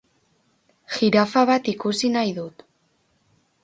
Jirafa bat ikusi nahi dut.